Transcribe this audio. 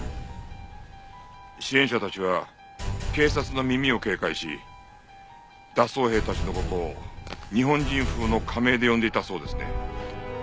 支援者たちは警察の耳を警戒し脱走兵たちの事を日本人風の仮名で呼んでいたそうですね。